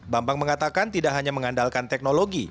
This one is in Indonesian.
bambang mengatakan tidak hanya mengandalkan teknologi